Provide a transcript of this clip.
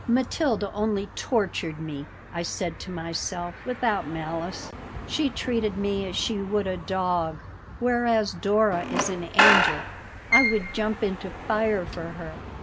"Matilda only tortured me," I said to myself, without malice. "She treated me as she would a dog, whereas Dora is an angel. I would jump into fire for her.